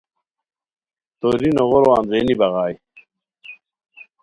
توری نوغورو اندرینی بغائے